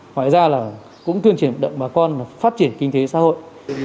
ngoài ra là cũng tuyên truyền vận động bà con phát triển kinh tế xã hội